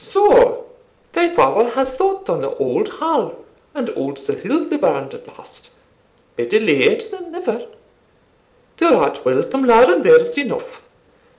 So, thy father has thought on the old Hall, and old Sir Hildebrand at last better late than never Thou art welcome, lad, and there's enough.